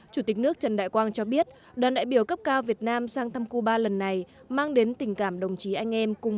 chủ tịch nước trần đại quang cho biết đoàn đại biểu cấp cao việt nam sang thăm cuba lần này mang đến tình cảm đồng chí anh em cùng với sự ủng hộ